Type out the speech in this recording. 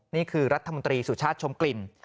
นี่คือรัฐมนตรีสุชาติชมกลิ่น